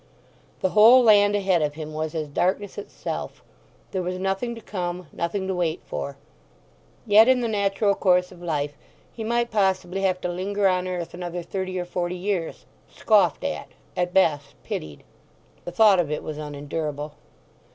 The whole land ahead of him was as darkness itself; there was nothing to come, nothing to wait for. Yet in the natural course of life he might possibly have to linger on earth another thirty or forty years—scoffed at; at best pitied. The thought of it was unendurable.